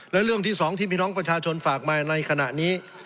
และเรื่องที่สองที่พี่น้องประชาชนฝากมาในขณะนี้